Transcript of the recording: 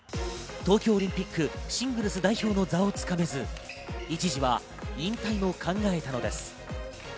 東京オリンピック、シングルス代表の座を掴めず、一時は引退も考えたのです。